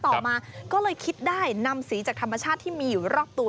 ต่อมาก็เลยคิดได้นำสีจากธรรมชาติที่มีอยู่รอบตัว